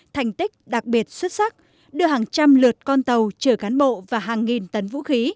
thành tích đặc biệt xuất sắc đưa hàng trăm lượt con tàu chở cán bộ và hàng nghìn tấn vũ khí